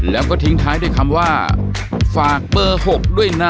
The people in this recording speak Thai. แล้วก็ทิ้งท้ายด้วยคำว่าฝากเบอร์๖ด้วยนะ